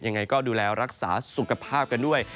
ยังไงก็ดูแลรักษาสุขภาพกันด้วย